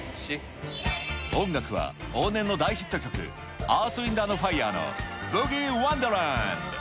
音楽は、往年の大ヒット曲、アース・ウインド＆ファイアーのブギーワンダーランド。